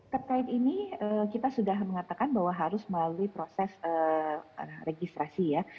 terkait ini kita sudah mengatakan bahwa harus melalui proses registrasi ya